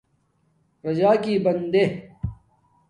راجاکی بندے